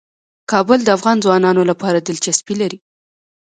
کابل د افغان ځوانانو لپاره دلچسپي لري.